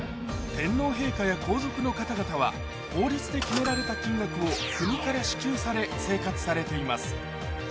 天皇陛下や皇族の方々は法律で決められた金額を国から支給され生活されています